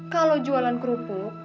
kalau jualan kerupuk